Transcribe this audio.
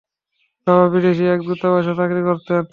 বাবা বিদেশি এক দূতাবাসে চাকরি করতেন।